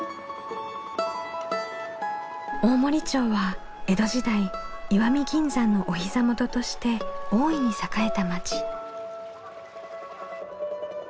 大森町は江戸時代石見銀山のお膝元として大いに栄えた町。